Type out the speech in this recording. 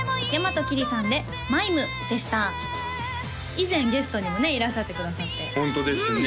以前ゲストにもねいらっしゃってくださってホントですね